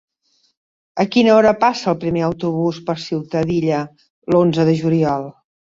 A quina hora passa el primer autobús per Ciutadilla l'onze de juliol?